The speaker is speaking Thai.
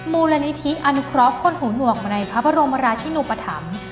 มูลนิธิอนุเคราะห์คนหูหนวกในพระบรมราชินุปธรรม